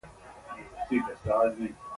په خواشینۍ سره ووایم چې وفات شو.